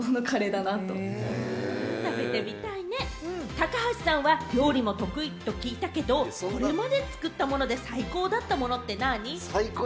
高橋さんは料理も得意と聞いたけど、今まで作ったもので最高のものって何？